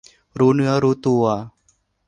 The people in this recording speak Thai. รู้เนื้อรู้ตัว